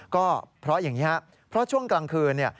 ก็เพราะอย่างนี้ครับเพราะช่วงกลางคืน